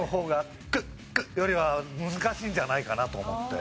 「っく」よりは難しいんじゃないかなと思って。